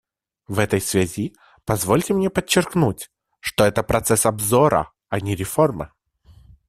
В этой связи позвольте мне подчеркнуть, что это — процесс обзора, а не реформы.